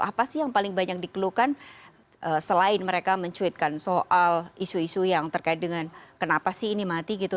apa sih yang paling banyak dikeluhkan selain mereka mencuitkan soal isu isu yang terkait dengan kenapa sih ini mati gitu